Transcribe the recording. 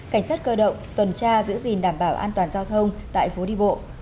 cảnh sát cơ động tuần tra giữ gìn đảm bảo an toàn giao thông tại phố đi bộ